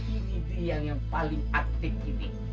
ini yang paling aktif ini